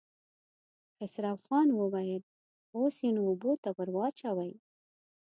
خسرو خان وويل: اوس يې نو اوبو ته ور واچوئ.